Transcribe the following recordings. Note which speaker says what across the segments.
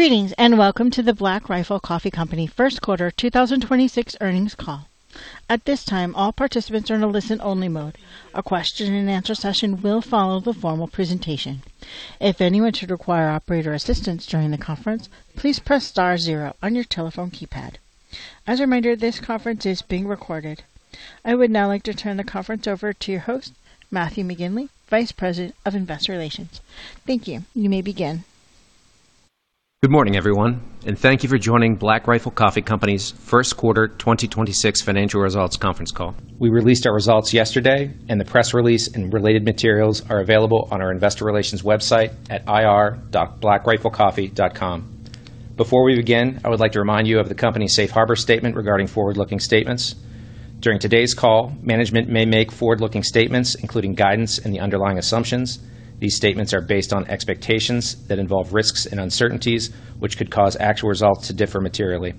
Speaker 1: Greetings, welcome to the Black Rifle Coffee Company first quarter 2026 earnings call. At this time, all participants are in a listen-only mode. A question and answer session will follow the formal presentation. If anyone should require operator assistance during the conference, please press star zero on your telephone keypad. As a reminder, this conference is being recorded. I would now like to turn the conference over to your host, Matthew McGinley, Vice President of Investor Relations. Thank you. You may begin.
Speaker 2: Good morning, everyone, thank you for joining Black Rifle Coffee Company's first quarter 2026 financial results conference call. We released our results yesterday and the press release and related materials are available on our investor relations website at ir.blackriflecoffee.com. Before we begin, I would like to remind you of the company's safe harbor statement regarding forward-looking statements. During today's call, management may make forward-looking statements, including guidance and the underlying assumptions. These statements are based on expectations that involve risks and uncertainties, which could cause actual results to differ materially.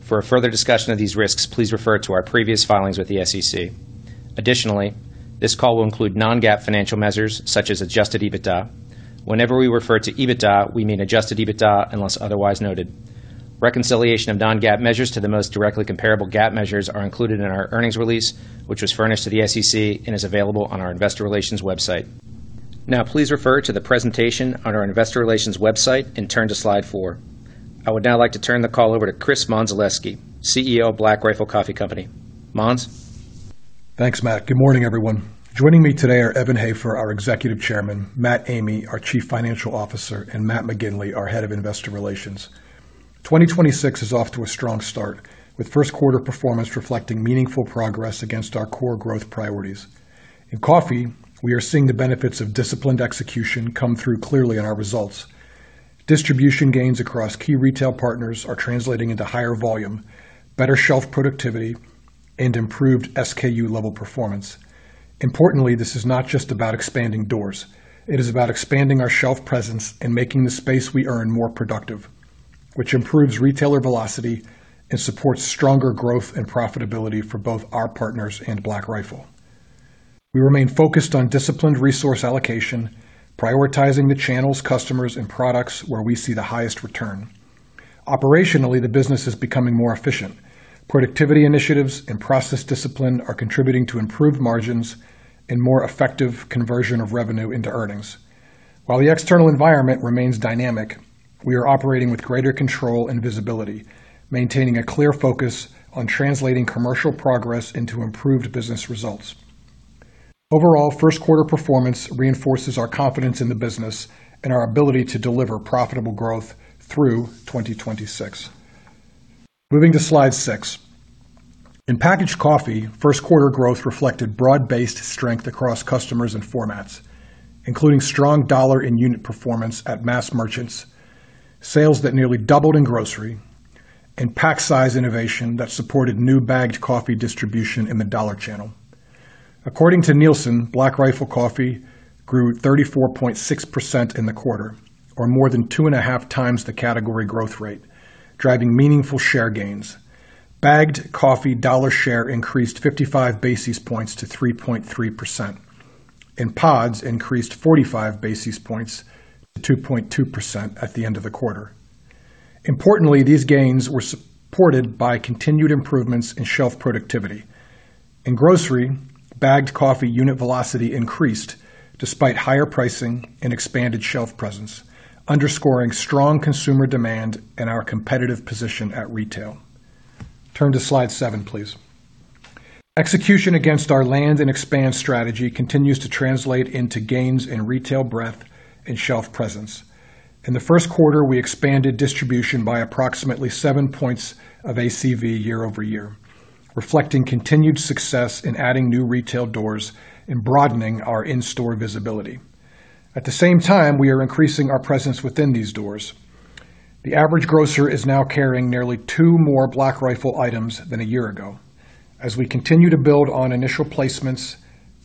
Speaker 2: For a further discussion of these risks, please refer to our previous filings with the SEC. Additionally, this call will include non-GAAP financial measures such as adjusted EBITDA. Whenever we refer to EBITDA, we mean adjusted EBITDA unless otherwise noted. Reconciliation of non-GAAP measures to the most directly comparable GAAP measures are included in our earnings release, which was furnished to the SEC and is available on our investor relations website. Now please refer to the presentation on our investor relations website and turn to slide four. I would now like to turn the call over to Chris Mondzelewski, CEO of Black Rifle Coffee Company. Mondz?.
Speaker 3: Thanks, Matt. Good morning, everyone. Joining me today are Evan Hafer, our Executive Chairman, Matt Amigh, our Chief Financial Officer, and Matt McGinley, our Head of Investor Relations. 2026 is off to a strong start, with first quarter performance reflecting meaningful progress against our core growth priorities. In coffee, we are seeing the benefits of disciplined execution come through clearly in our results. Distribution gains across key retail partners are translating into higher volume, better shelf productivity, and improved SKU-level performance. Importantly, this is not just about expanding doors. It is about expanding our shelf presence and making the space we earn more productive, which improves retailer velocity and supports stronger growth and profitability for both our partners and Black Rifle. We remain focused on disciplined resource allocation, prioritizing the channels, customers, and products where we see the highest return. Operationally, the business is becoming more efficient. Productivity initiatives and process discipline are contributing to improved margins and more effective conversion of revenue into earnings. While the external environment remains dynamic, we are operating with greater control and visibility, maintaining a clear focus on translating commercial progress into improved business results. Overall, first quarter performance reinforces our confidence in the business and our ability to deliver profitable growth through 2026. Moving to slide six. In packaged coffee, first quarter growth reflected broad-based strength across customers and formats, including strong dollar and unit performance at mass merchants, sales that nearly doubled in grocery, and pack size innovation that supported new bagged coffee distribution in the dollar channel. According to Nielsen, Black Rifle Coffee grew 34.6% in the quarter, or more than 2.5x the category growth rate, driving meaningful share gains. Bagged coffee dollar share increased 55 basis points to 3.3%, and pods increased 45 basis points to 2.2% at the end of the quarter. Importantly, these gains were supported by continued improvements in shelf productivity. In grocery, bagged coffee unit velocity increased despite higher pricing and expanded shelf presence, underscoring strong consumer demand and our competitive position at retail. Turn to slide seven, please. Execution against our land and expand strategy continues to translate into gains in retail breadth and shelf presence. In the first quarter, we expanded distribution by approximately seven points of ACV year-over-year, reflecting continued success in adding new retail doors and broadening our in-store visibility. At the same time, we are increasing our presence within these doors. The average grocer is now carrying nearly two more Black Rifle items than a year ago. As we continue to build on initial placements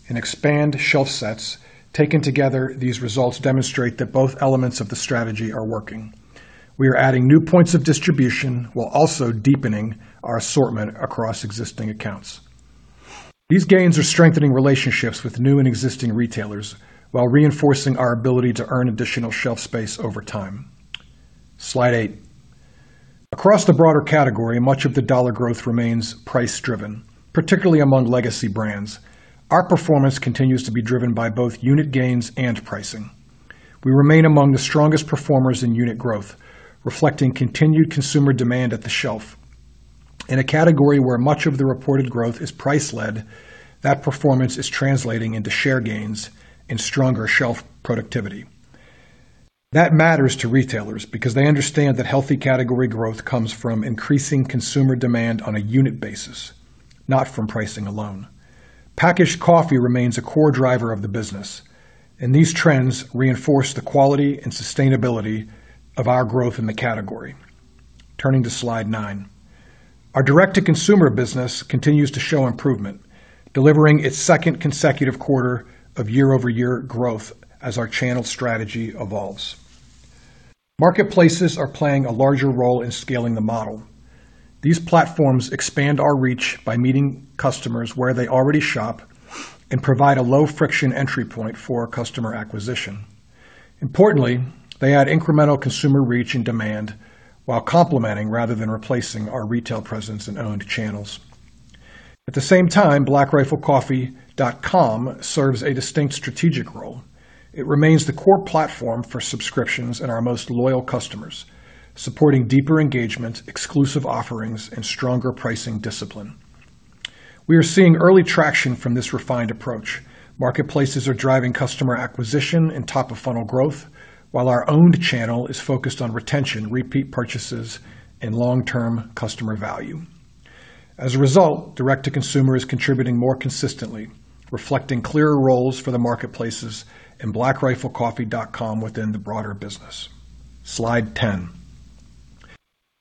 Speaker 3: and expand shelf sets, taken together, these results demonstrate that both elements of the strategy are working. We are adding new points of distribution while also deepening our assortment across existing accounts. These gains are strengthening relationships with new and existing retailers while reinforcing our ability to earn additional shelf space over time. Slide eight. Across the broader category, much of the dollar growth remains price-driven, particularly among legacy brands. Our performance continues to be driven by both unit gains and pricing. We remain among the strongest performers in unit growth, reflecting continued consumer demand at the shelf. In a category where much of the reported growth is price-led, that performance is translating into share gains and stronger shelf productivity. That matters to retailers because they understand that healthy category growth comes from increasing consumer demand on a unit basis, not from pricing alone. These trends reinforce the quality and sustainability of our growth in the category. Turning to slide nine. Our direct-to-consumer business continues to show improvement, delivering its second consecutive quarter of year-over-year growth as our channel strategy evolves. Marketplaces are playing a larger role in scaling the model. These platforms expand our reach by meeting customers where they already shop and provide a low-friction entry point for customer acquisition. Importantly, they add incremental consumer reach and demand while complementing rather than replacing our retail presence and owned channels. At the same time, blackriflecoffee.com serves a distinct strategic role. It remains the core platform for subscriptions and our most loyal customers, supporting deeper engagement, exclusive offerings, and stronger pricing discipline. We are seeing early traction from this refined approach. Marketplaces are driving customer acquisition and top-of-funnel growth, while our owned channel is focused on retention, repeat purchases, and long-term customer value. As a result, direct-to-consumer is contributing more consistently, reflecting clearer roles for the marketplaces and blackriflecoffee.com within the broader business. Slide 10.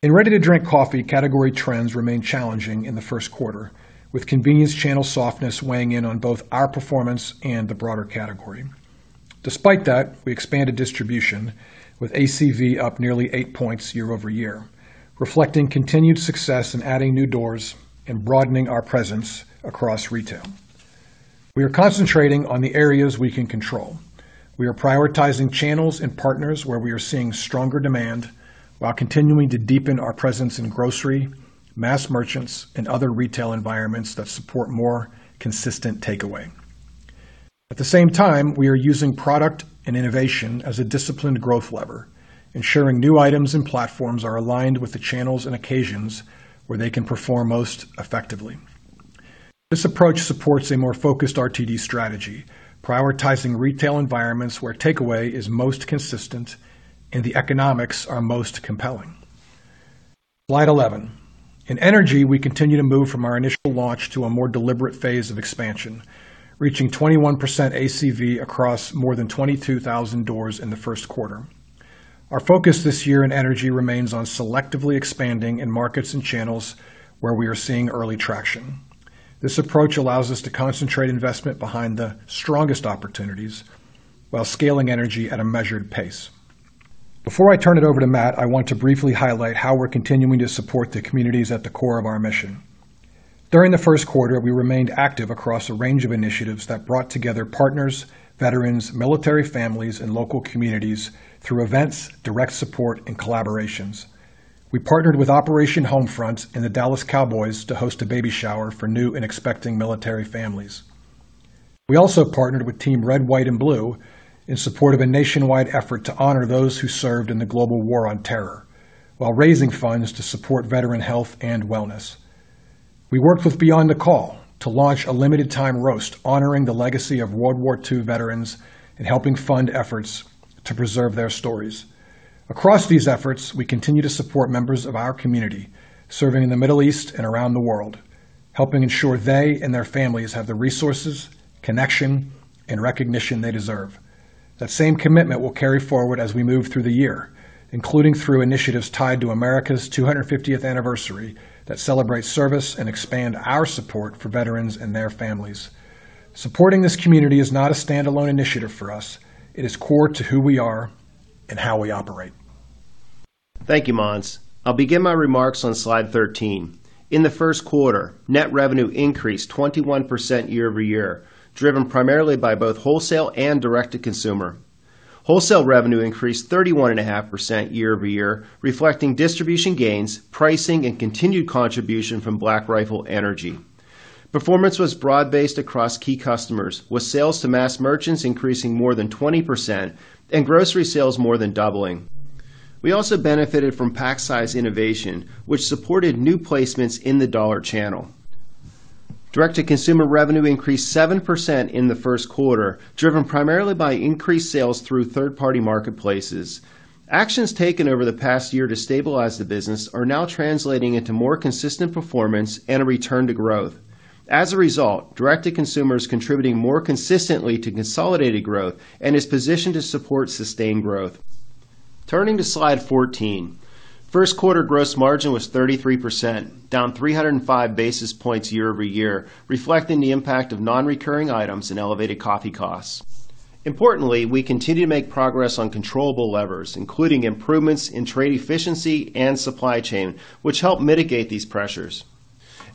Speaker 3: In ready-to-drink coffee, category trends remain challenging in the first quarter, with convenience channel softness weighing in on both our performance and the broader category. Despite that, we expanded distribution with ACV up nearly eight points year-over-year, reflecting continued success in adding new doors and broadening our presence across retail. We are concentrating on the areas we can control. We are prioritizing channels and partners where we are seeing stronger demand while continuing to deepen our presence in grocery, mass merchants, and other retail environments that support more consistent takeaway. At the same time, we are using product and innovation as a disciplined growth lever, ensuring new items and platforms are aligned with the channels and occasions where they can perform most effectively. This approach supports a more focused RTD strategy, prioritizing retail environments where takeaway is most consistent and the economics are most compelling. Slide 11. In energy, we continue to move from our initial launch to a more deliberate phase of expansion, reaching 21% ACV across more than 22,000 doors in the first quarter. Our focus this year in energy remains on selectively expanding in markets and channels where we are seeing early traction. This approach allows us to concentrate investment behind the strongest opportunities while scaling energy at a measured pace. Before I turn it over to Matt, I want to briefly highlight how we're continuing to support the communities at the core of our mission. During the first quarter, we remained active across a range of initiatives that brought together partners, veterans, military families, and local communities through events, direct support, and collaborations. We partnered with Operation Homefront and the Dallas Cowboys to host a baby shower for new and expecting military families. We also partnered with Team Red, White & Blue in support of a nationwide effort to honor those who served in the Global War on Terror while raising funds to support veteran health and wellness. We worked with Beyond the Call to launch a limited time roast honoring the legacy of World War II veterans and helping fund efforts to preserve their stories. Across these efforts, we continue to support members of our community serving in the Middle East and around the world, helping ensure they and their families have the resources, connection, and recognition they deserve. That same commitment will carry forward as we move through the year, including through initiatives tied to America's 250th anniversary that celebrate service and expand our support for veterans and their families. Supporting this community is not a standalone initiative for us. It is core to who we are and how we operate.
Speaker 4: Thank you, Mondz. I'll begin my remarks on slide 13. In the first quarter, net revenue increased 21% year-over-year, driven primarily by both wholesale and direct-to-consumer. Wholesale revenue increased 31.5% year-over-year, reflecting distribution gains, pricing, and continued contribution from Black Rifle Energy. Performance was broad-based across key customers, with sales to mass merchants increasing more than 20% and grocery sales more than doubling. We also benefited from pack size innovation, which supported new placements in the dollar channel. Direct-to-consumer revenue increased 7% in the first quarter, driven primarily by increased sales through third-party marketplaces. Actions taken over the past year to stabilize the business are now translating into more consistent performance and a return to growth. As a result, direct-to-consumer is contributing more consistently to consolidated growth and is positioned to support sustained growth. Turning to slide 14. First quarter gross margin was 33%, down 305 basis points year-over-year, reflecting the impact of non-recurring items and elevated coffee costs. Importantly, we continue to make progress on controllable levers, including improvements in trade efficiency and supply chain, which help mitigate these pressures.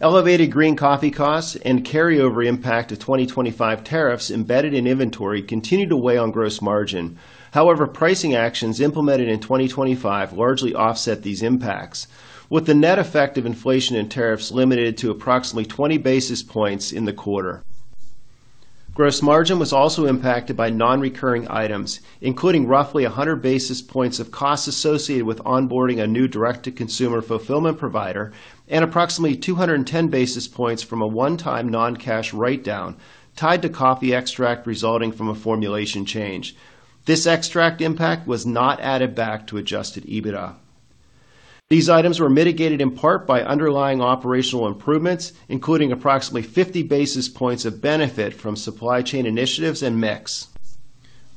Speaker 4: Elevated green coffee costs and carryover impact of 2025 tariffs embedded in inventory continued to weigh on gross margin. However, pricing actions implemented in 2025 largely offset these impacts, with the net effect of inflation and tariffs limited to approximately 20 basis points in the quarter. Gross margin was also impacted by non-recurring items, including roughly 100 basis points of costs associated with onboarding a new direct-to-consumer fulfillment provider and approximately 210 basis points from a one-time non-cash write-down tied to coffee extract resulting from a formulation change. This extract impact was not added back to adjusted EBITDA. These items were mitigated in part by underlying operational improvements, including approximately 50 basis points of benefit from supply chain initiatives and mix.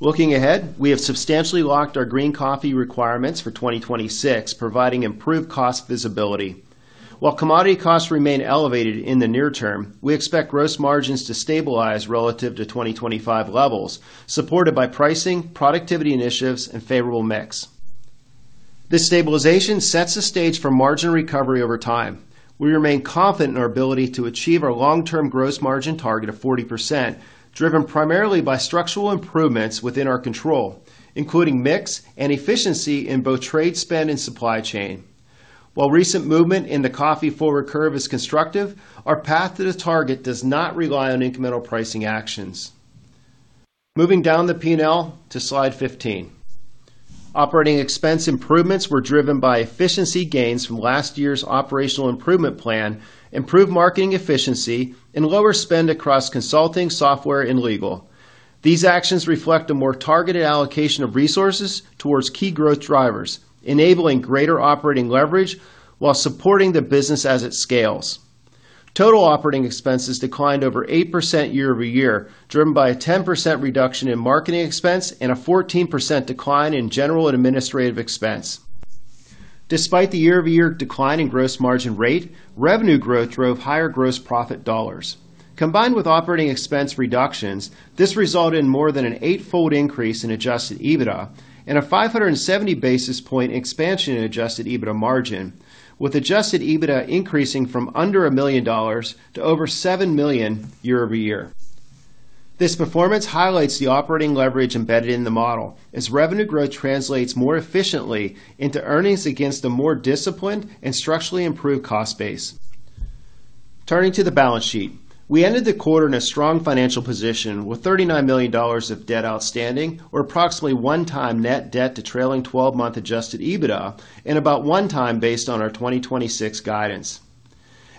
Speaker 4: Looking ahead, we have substantially locked our green coffee requirements for 2026, providing improved cost visibility. Commodity costs remain elevated in the near term, we expect gross margins to stabilize relative to 2025 levels, supported by pricing, productivity initiatives, and favorable mix. This stabilization sets the stage for margin recovery over time. We remain confident in our ability to achieve our long-term gross margin target of 40%, driven primarily by structural improvements within our control, including mix and efficiency in both trade spend and supply chain. Recent movement in the coffee forward curve is constructive, our path to the target does not rely on incremental pricing actions. Moving down the P&L to slide 15. Operating expense improvements were driven by efficiency gains from last year's operational improvement plan, improved marketing efficiency, and lower spend across consulting, software, and legal. These actions reflect a more targeted allocation of resources towards key growth drivers, enabling greater operating leverage while supporting the business as it scales. Total operating expenses declined over 8% year-over-year, driven by a 10% reduction in marketing expense and a 14% decline in general and administrative expense. Despite the year-over-year decline in gross margin rate, revenue growth drove higher gross profit dollars. Combined with operating expense reductions, this resulted in more than an eightfold increase in adjusted EBITDA and a 570 basis point expansion in adjusted EBITDA margin, with adjusted EBITDA increasing from under $1 million to over $7 million year-over-year. This performance highlights the operating leverage embedded in the model, as revenue growth translates more efficiently into earnings against a more disciplined and structurally improved cost base. Turning to the balance sheet. We ended the quarter in a strong financial position with $39 million of debt outstanding, or approximately 1x net debt to trailing twelve-month adjusted EBITDA, and about 1x based on our 2026 guidance.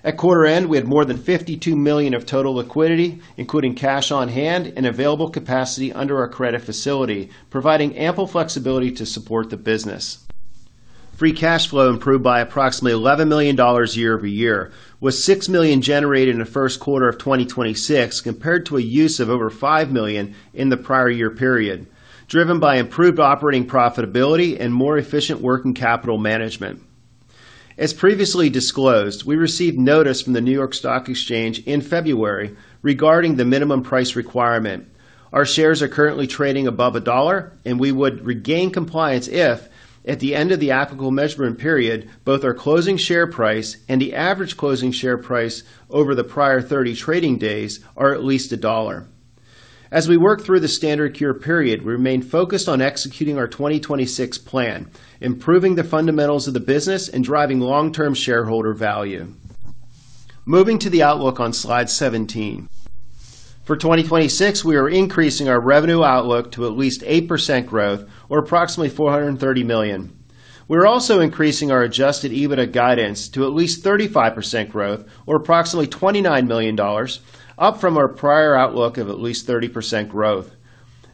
Speaker 4: At quarter end, we had more than $52 million of total liquidity, including cash on hand and available capacity under our credit facility, providing ample flexibility to support the business. Free cash flow improved by approximately $11 million year-over-year, with $6 million generated in the first quarter of 2026 compared to a use of over $5 million in the prior year period, driven by improved operating profitability and more efficient working capital management. As previously disclosed, we received notice from the New York Stock Exchange in February regarding the minimum price requirement. Our shares are currently trading above $1, and we would regain compliance if, at the end of the applicable measurement period, both our closing share price and the average closing share price over the prior 30 trading days are at least $1. As we work through the standard cure period, we remain focused on executing our 2026 plan, improving the fundamentals of the business, and driving long-term shareholder value. Moving to the outlook on slide 17. For 2026, we are increasing our revenue outlook to at least 8% growth or approximately $430 million. We're also increasing our adjusted EBITDA guidance to at least 35% growth or approximately $29 million, up from our prior outlook of at least 30% growth.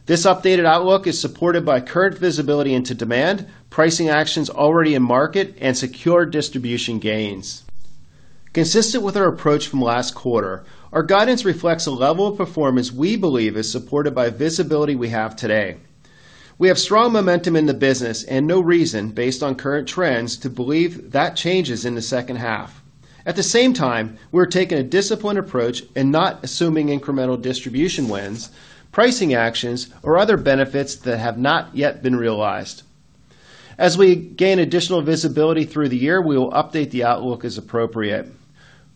Speaker 4: This updated outlook is supported by current visibility into demand, pricing actions already in market, and secure distribution gains. Consistent with our approach from last quarter, our guidance reflects a level of performance we believe is supported by visibility we have today. We have strong momentum in the business and no reason, based on current trends, to believe that changes in the second half. At the same time, we're taking a disciplined approach and not assuming incremental distribution wins, pricing actions, or other benefits that have not yet been realized. As we gain additional visibility through the year, we will update the outlook as appropriate.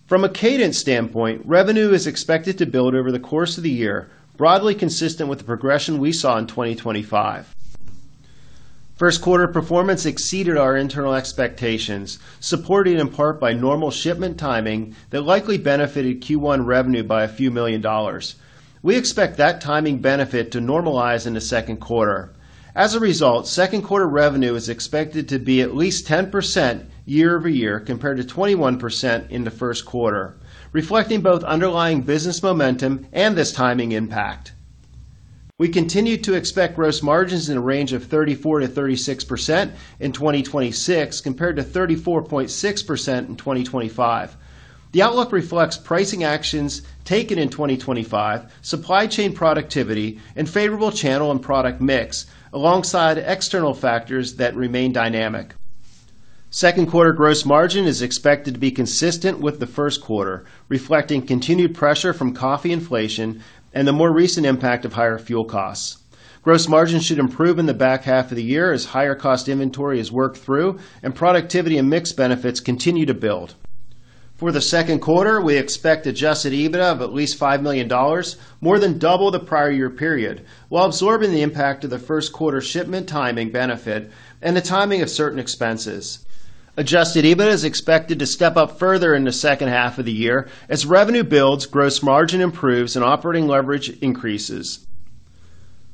Speaker 4: From a cadence standpoint, revenue is expected to build over the course of the year, broadly consistent with the progression we saw in 2025. First quarter performance exceeded our internal expectations, supported in part by normal shipment timing that likely benefited Q1 revenue by a few million dollars. We expect that timing benefit to normalize in the second quarter. Second quarter revenue is expected to be at least 10% year-over-year compared to 21% in the first quarter, reflecting both underlying business momentum and this timing impact. We continue to expect gross margins in a range of 34%-36% in 2026 compared to 34.6% in 2025. The outlook reflects pricing actions taken in 2025, supply chain productivity, and favorable channel and product mix alongside external factors that remain dynamic. Second quarter gross margin is expected to be consistent with the first quarter, reflecting continued pressure from coffee inflation and the more recent impact of higher fuel costs. Gross margins should improve in the back half of the year as higher cost inventory is worked through and productivity and mix benefits continue to build. For the second quarter, we expect adjusted EBITDA of at least $5 million, more than double the prior year period, while absorbing the impact of the first quarter shipment timing benefit and the timing of certain expenses. Adjusted EBITDA is expected to step up further in the second half of the year as revenue builds, gross margin improves, and operating leverage increases.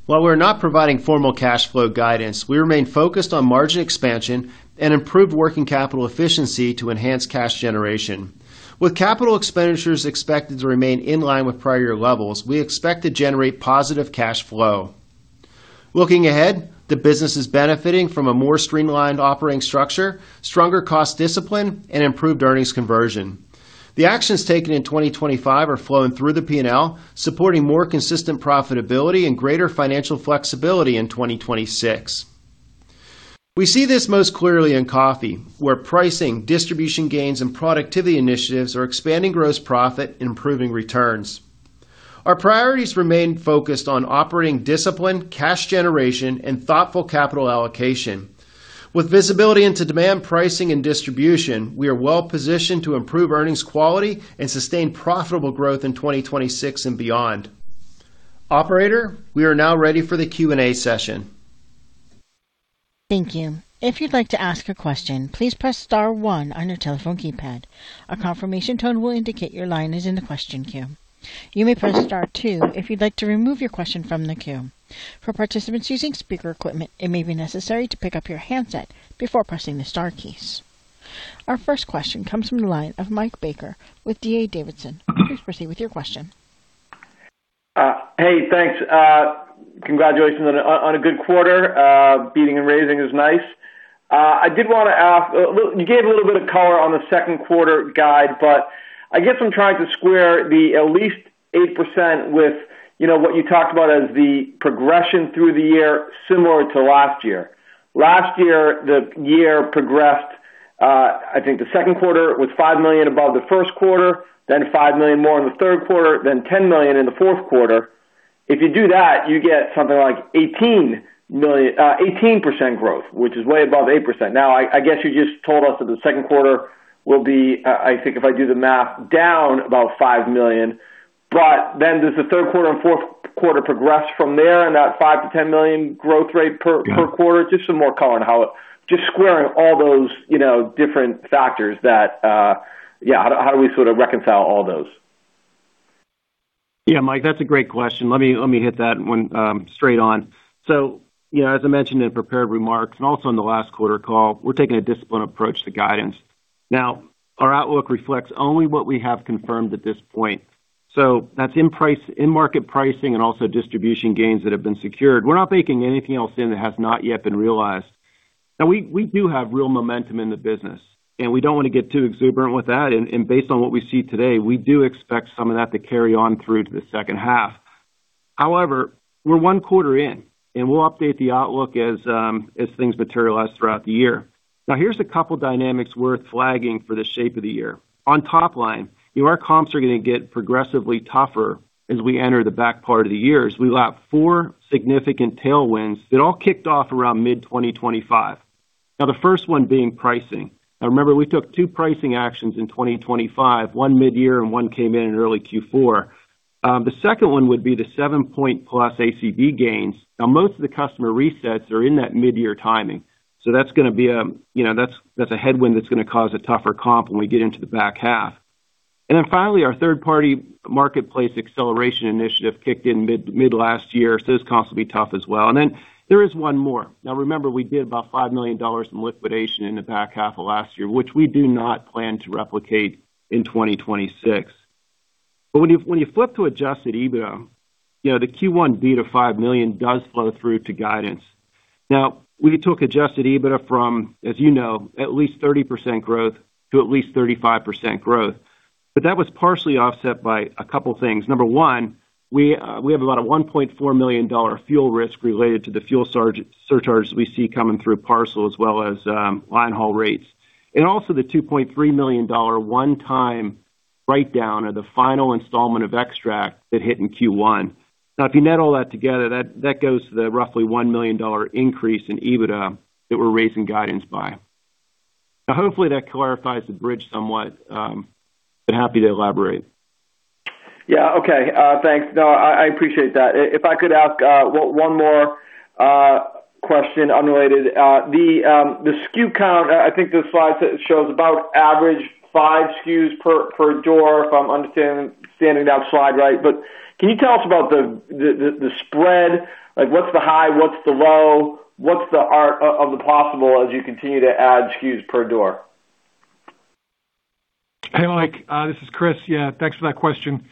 Speaker 4: While we're not providing formal cash flow guidance, we remain focused on margin expansion and improved working capital efficiency to enhance cash generation. With capital expenditures expected to remain in line with prior year levels, we expect to generate positive cash flow. Looking ahead, the business is benefiting from a more streamlined operating structure, stronger cost discipline, and improved earnings conversion. The actions taken in 2025 are flowing through the P&L, supporting more consistent profitability and greater financial flexibility in 2026. We see this most clearly in coffee, where pricing, distribution gains, and productivity initiatives are expanding gross profit and improving returns. Our priorities remain focused on operating discipline, cash generation, and thoughtful capital allocation. With visibility into demand pricing and distribution, we are well-positioned to improve earnings quality and sustain profitable growth in 2026 and beyond. Operator, we are now ready for the Q&A session.
Speaker 1: Thank you. If you'd like to ask a question, please press star one on your telephone keypad. A confirmation tone will indicate your line is in the question queue. You may press star two if you'd like to remove your question from the queue. For participants using speaker equipment, it may be necessary to pick up your handset before pressing the star keys. Our first question comes from the line of Michael Baker with D.A. Davidson. Please proceed with your question.
Speaker 5: Hey, thanks. Congratulations on a good quarter. Beating and raising is nice. I did want to ask, you gave a little bit of color on the second quarter guide, but I guess I'm trying to square the at least 8% with, you know, what you talked about as the progression through the year similar to last year. Last year, the year progressed, I think the second quarter was $5 million above the first quarter, then $5 million more in the third quarter, then $10 million in the fourth quarter. If you do that, you get something like 18% growth, which is way above 8%. I guess you just told us that the second quarter will be, I think if I do the math, down about $5 million. Does the third quarter and fourth quarter progress from there in that $5 million-$10 million growth rate per quarter? Just some more color on squaring all those, you know, different factors that, yeah, how do we sort of reconcile all those?
Speaker 4: Yeah, Mike, that's a great question. Let me hit that one straight on. You know, as I mentioned in prepared remarks and also on the last quarter call, we're taking a disciplined approach to guidance. Our outlook reflects only what we have confirmed at this point. That's in market pricing and also distribution gains that have been secured. We're not baking anything else in that has not yet been realized. We do have real momentum in the business, and we don't wanna get too exuberant with that. Based on what we see today, we do expect some of that to carry on through to the second half. We're one quarter in, and we'll update the outlook as things materialize throughout the year. Here's a couple dynamics worth flagging for the shape of the year. On top line, you know, our comps are going to get progressively tougher as we enter the back part of the year, as we lap four significant tailwinds that all kicked off around mid 2025. The first one being pricing. Remember, we took two pricing actions in 2025, one mid-year and one came in in early Q4. The second one would be the seven point plus ACV gains. Most of the customer resets are in that mid-year timing, that's going to be a, you know, that's a headwind that's going to cause a tougher comp when we get into the back half. Finally, our third-party marketplace acceleration initiative kicked in mid last year, those comps will be tough as well. There is one more. Remember, we did about $5 million in liquidation in the back half of last year, which we do not plan to replicate in 2026. When you flip to adjusted EBITDA, you know, the Q1 beat of $5 million does flow through to guidance. We took adjusted EBITDA from, as you know, at least 30% growth to at least 35% growth. That was partially offset by a couple things. Number one, we have about a $1.4 million fuel risk related to the fuel surcharges we see coming through parcel as well as line haul rates. Also the $2.3 million one-time write-down of the final installment of extract that hit in Q1. If you net all that together, that goes to the roughly $1 million increase in EBITDA that we're raising guidance by. Hopefully that clarifies the bridge somewhat, but happy to elaborate.
Speaker 5: Yeah. Okay. Thanks. No, I appreciate that. If I could ask one more question unrelated. The SKU count, I think the slide shows about average five SKUs per door, if I'm understanding that slide right. Can you tell us about the spread? Like what's the high? What's the low? What's the art of the possible as you continue to add SKUs per door?
Speaker 3: Hey, Mike, this is Chris. Thanks for that question.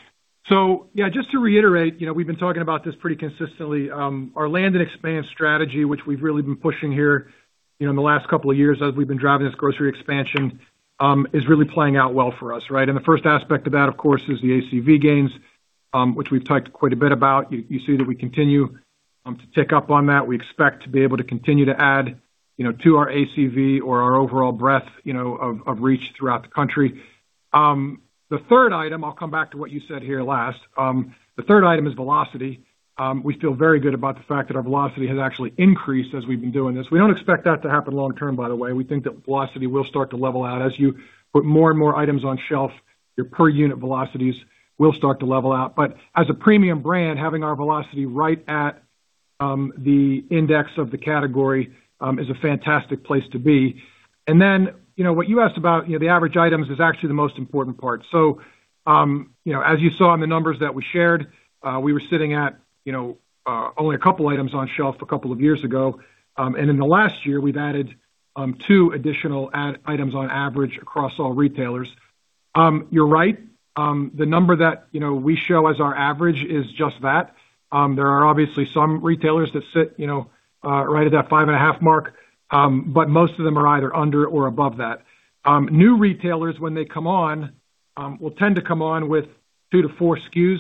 Speaker 3: Just to reiterate, you know, we've been talking about this pretty consistently. Our land and expand strategy, which we've really been pushing here, you know, in the last couple of years as we've been driving this grocery expansion, is really playing out well for us, right? The first aspect of that, of course, is the ACV gains, which we've talked quite a bit about. You see that we continue to tick up on that. We expect to be able to continue to add, you know, to our ACV or our overall breadth, you know, of reach throughout the country. The third item, I'll come back to what you said here last. The third item is velocity. We feel very good about the fact that our velocity has actually increased as we've been doing this. We don't expect that to happen long term, by the way. We think that velocity will start to level out. As you put more and more items on shelf, your per unit velocities will start to level out. As a premium brand, having our velocity right at the index of the category is a fantastic place to be. You know, what you asked about, you know, the average items is actually the most important part. You know, as you saw in the numbers that we shared, we were sitting at, you know, only a couple items on shelf a couple of years ago. In the last year, we've added two additional items on average across all retailers. You're right. The number that, you know, we show as our average is just that. There are obviously some retailers that sit, you know, right at that five and a half mark, but most of them are either under or above that. New retailers, when they come on, will tend to come on with two to four SKUs,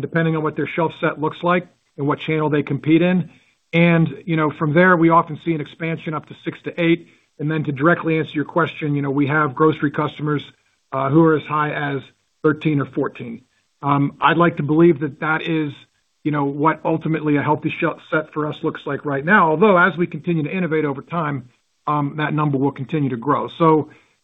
Speaker 3: depending on what their shelf set looks like and what channel they compete in. You know, from there, we often see an expansion up to six to eight. Then to directly answer your question, you know, we have grocery customers who are as high as 13 or 14. I'd like to believe that that is, you know, what ultimately a healthy shelf set for us looks like right now. Although as we continue to innovate over time, that number will continue to grow.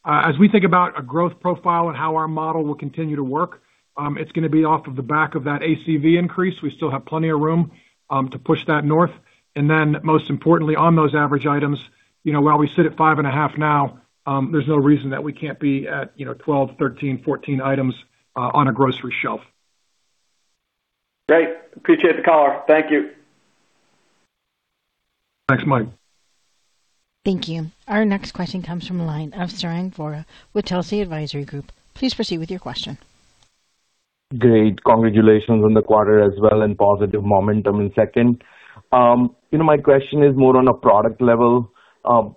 Speaker 3: As we think about a growth profile and how our model will continue to work, it's gonna be off of the back of that ACV increase. We still have plenty of room to push that north. Most importantly, on those average items, you know, while we sit at five and a half now, there's no reason that we can't be at, you know, 12, 13, 14 items on a grocery shelf.
Speaker 5: Great. Appreciate the call. Thank you.
Speaker 3: Thanks, Mike.
Speaker 1: Thank you. Our next question comes from the line of Sarang Vora with Telsey Advisory Group. Please proceed with your question.
Speaker 6: Great. Congratulations on the quarter as well and positive momentum in second. You know, my question is more on a product level.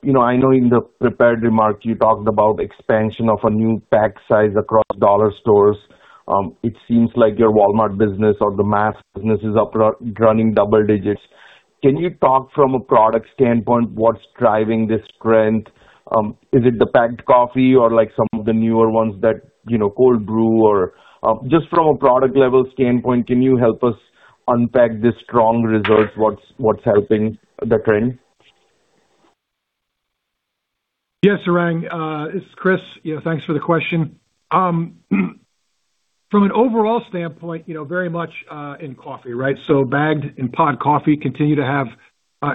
Speaker 6: You know, I know in the prepared remarks, you talked about expansion of a new pack size across dollar stores. It seems like your Walmart business or the mass business is running double digits. Can you talk from a product standpoint, what's driving this trend? Is it the packed coffee or like some of the newer ones that, you know, cold brew? Just from a product level standpoint, can you help us unpack the strong results? What's helping the trend?
Speaker 3: Sarang. It's Chris. Thanks for the question. From an overall standpoint, you know, very much in coffee, right? Bagged and pod coffee continue to have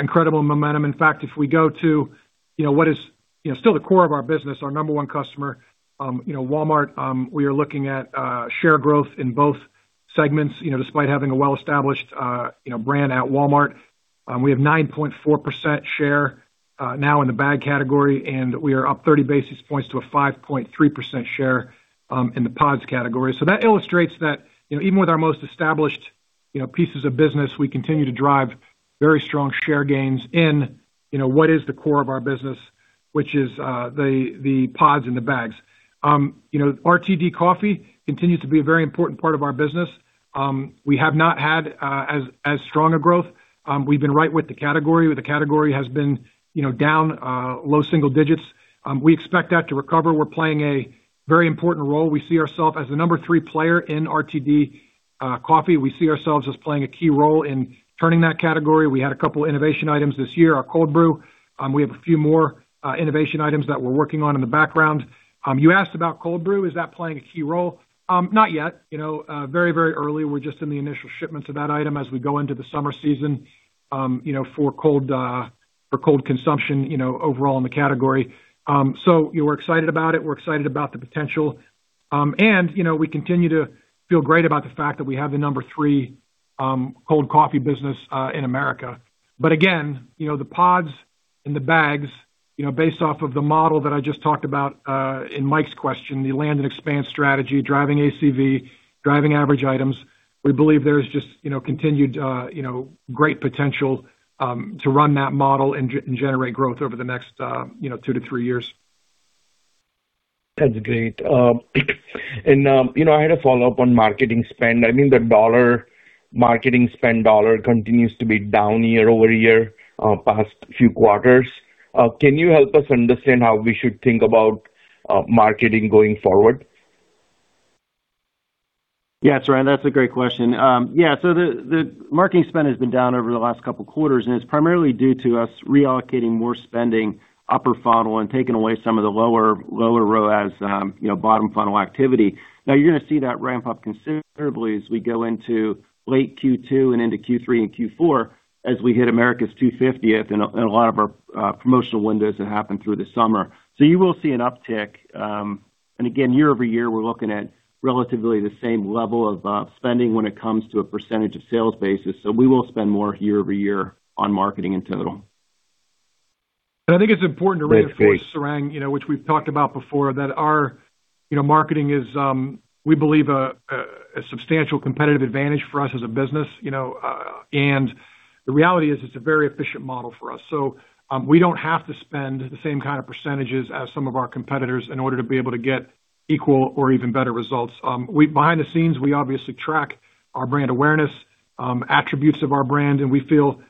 Speaker 3: incredible momentum. In fact, if we go to, you know, what is, you know, still the core of our business, our number one customer, you know, Walmart, we are looking at share growth in both segments. You know, despite having a well-established, you know, brand at Walmart, we have 9.4% share now in the bag category, and we are up 30 basis points to a 5.3% share in the pods category. That illustrates that, you know, even with our most established, you know, pieces of business, we continue to drive very strong share gains in, you know, what is the core of our business, which is the pods and the bags. You know, RTD coffee continues to be a very important part of our business. We have not had as strong a growth. We've been right with the category, where the category has been, you know, down low single digits. We expect that to recover. We're playing a very important role. We see ourself as the number three player in RTD coffee. We see ourselves as playing a key role in turning that category. We had a couple innovation items this year, our cold brew. We have a few more innovation items that we're working on in the background. You asked about cold brew. Is that playing a key role? Not yet. You know, very early. We're just in the initial shipments of that item as we go into the summer season, you know, for cold consumption, you know, overall in the category. We're excited about it. We're excited about the potential. You know, we continue to feel great about the fact that we have the number 3 cold coffee business in America. Again, you know, the pods and the bags, you know, based off of the model that I just talked about, in Mike's question, the land and expand strategy, driving ACV, driving average items, we believe there's just, you know, continued, you know, great potential to run that model and generate growth over the next, you know, two to three years.
Speaker 6: That's great. You know, I had a follow-up on marketing spend. I think the dollar, marketing spend dollar continues to be down year over year, past few quarters. Can you help us understand how we should think about marketing going forward?
Speaker 4: Yeah, Sarang, that's a great question. The marketing spend has been down over the last couple quarters, and it's primarily due to us reallocating more spending upper funnel and taking away some of the lower ROAS, bottom funnel activity. You're going to see that ramp up considerably as we go into late Q2 and into Q3 and Q4 as we hit America's 250th and a lot of our promotional windows that happen through the summer. You will see an uptick. Again, year-over-year, we're looking at relatively the same level of spending when it comes to a % of sales basis. We will spend more year-over-year on marketing in total.
Speaker 3: I think it's important to reinforce.
Speaker 6: Great. Thanks.
Speaker 3: Sarang, you know, which we've talked about before, that our, you know, marketing is, we believe a substantial competitive advantage for us as a business, you know. The reality is it's a very efficient model for us. We don't have to spend the same kind of percentages as some of our competitors in order to be able to get equal or even better results. Behind the scenes, we obviously track our brand awareness, attributes of our brand, and we feel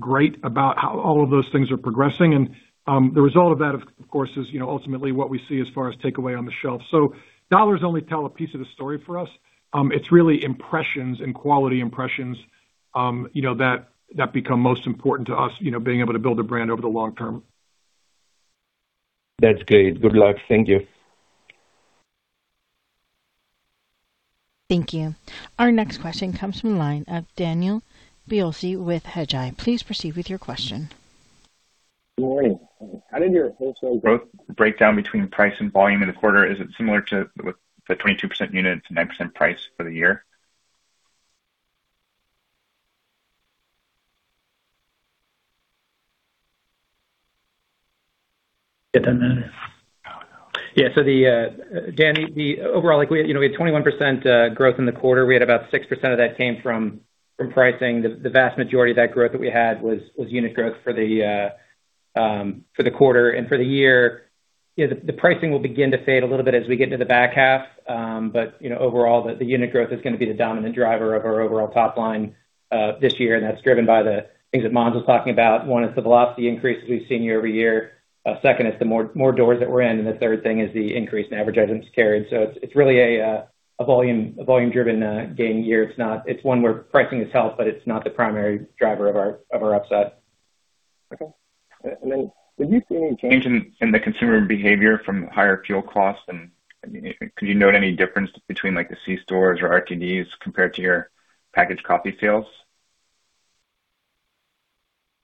Speaker 3: great about how all of those things are progressing. The result of that of course is, you know, ultimately what we see as far as takeaway on the shelf. Dollars only tell a piece of the story for us. It's really impressions and quality impressions, you know, that become most important to us, you know, being able to build a brand over the long term.
Speaker 6: That's great. Good luck. Thank you.
Speaker 1: Thank you. Our next question comes from the line of Daniel Biolsi with Hedgeye. Please proceed with your question.
Speaker 7: Good morning. How did your wholesale growth breakdown between price and volume in the quarter? Is it similar to, with the 22% units and X% price for the year?
Speaker 3: Get that, Matt.
Speaker 4: Yeah. Dani, the overall, like we had, you know, we had 21% growth in the quarter. We had about 6% of that came from pricing. The vast majority of that growth that we had was unit growth for the quarter. For the year, you know, the pricing will begin to fade a little bit as we get to the back half. You know, overall, the unit growth is gonna be the dominant driver of our overall top line this year, and that's driven by the things that Mondz was talking about. One is the velocity increases we've seen year-over-year. Second is the more doors that we're in, and the third thing is the increase in average items carried. It's really a volume-driven, gain year. It's one where pricing has helped, but it's not the primary driver of our upside.
Speaker 7: Okay. Did you see any change in the consumer behavior from higher fuel costs? Could you note any difference between the C stores or RTDs compared to your packaged coffee sales?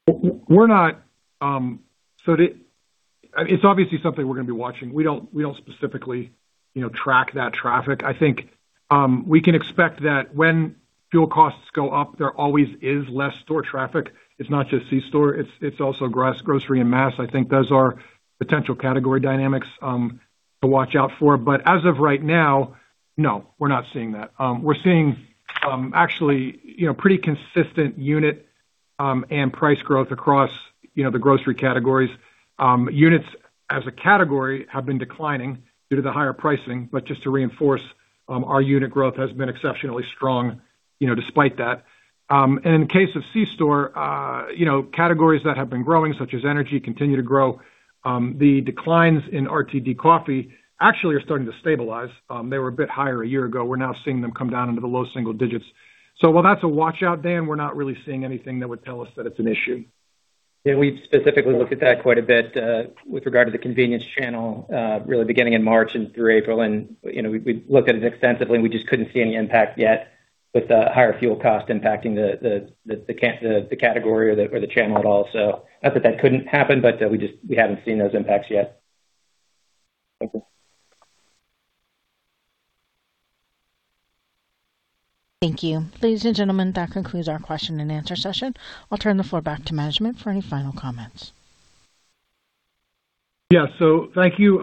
Speaker 3: We're not. It's obviously something we're going to be watching. We don't specifically, you know, track that traffic. I think we can expect that when fuel costs go up, there always is less store traffic. It's not just C store, it's also grocery and mass. I think those are potential category dynamics to watch out for. As of right now, no, we're not seeing that. We're seeing, actually, you know, pretty consistent unit and price growth across, you know, the grocery categories. Units as a category have been declining due to the higher pricing. Just to reinforce, our unit growth has been exceptionally strong, you know, despite that. In case of C store, you know, categories that have been growing, such as energy, continue to grow. The declines in RTD coffee actually are starting to stabilize. They were a bit higher a year ago. We're now seeing them come down into the low single digits. While that's a watch-out, Dan, we're not really seeing anything that would tell us that it's an issue.
Speaker 7: Yeah, we've specifically looked at that quite a bit, with regard to the convenience channel, really beginning in March and through April. You know, we looked at it extensively, and we just couldn't see any impact yet with the higher fuel cost impacting the category or the channel at all. Not that that couldn't happen, but we haven't seen those impacts yet. Thank you.
Speaker 1: Thank you. Ladies and gentlemen, that concludes our question and answer session. I will turn the floor back to management for any final comments.
Speaker 3: Yeah. Thank you.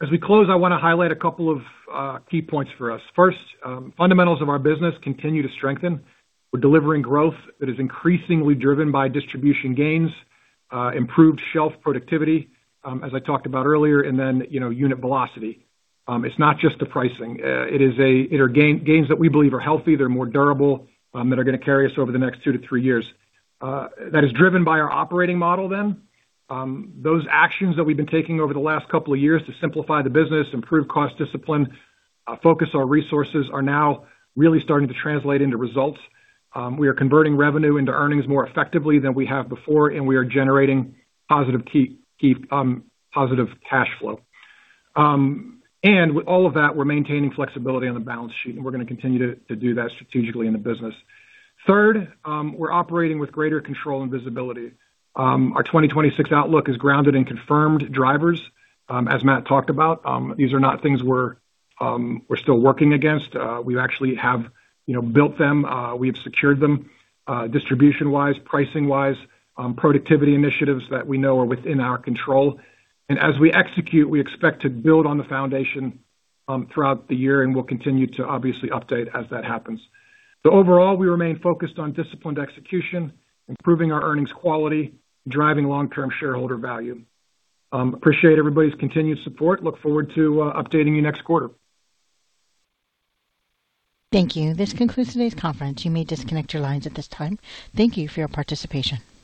Speaker 3: As we close, I wanna highlight a couple of key points for us. First, fundamentals of our business continue to strengthen. We're delivering growth that is increasingly driven by distribution gains, improved shelf productivity, as I talked about earlier, and then, you know, unit velocity. It's not just the pricing. It is gains that we believe are healthy, they're more durable, that are gonna carry us over the next two to three years. That is driven by our operating model then. Those actions that we've been taking over the last couple of years to simplify the business, improve cost discipline, focus our resources, are now really starting to translate into results. We are converting revenue into earnings more effectively than we have before, and we are generating positive cash flow. With all of that, we're maintaining flexibility on the balance sheet, and we're gonna continue to do that strategically in the business. Third, we're operating with greater control and visibility. Our 2026 outlook is grounded in confirmed drivers, as Matt talked about. These are not things we're still working against. We actually have, you know, built them. We've secured them, distribution-wise, pricing-wise, productivity initiatives that we know are within our control. As we execute, we expect to build on the foundation throughout the year, and we'll continue to obviously update as that happens. Overall, we remain focused on disciplined execution, improving our earnings quality, and driving long-term shareholder value. Appreciate everybody's continued support. Look forward to updating you next quarter.
Speaker 1: Thank you. This concludes today's conference. You may disconnect your lines at this time. Thank you for your participation.